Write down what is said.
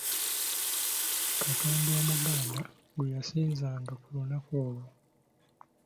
Katonda Omuganda gwe yasinzanga ku lunaku olwo.